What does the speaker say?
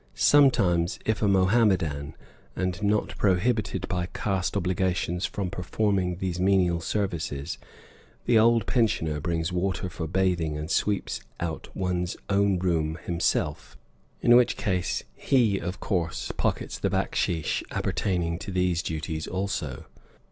Sometimes, if a Mohammedan, and not prohibited by caste obligations from performing these menial services, the old pensioner brings water for bathing and sweeps out one's own room himself, in which case he of course pockets the backsheesh appertaining to these duties also.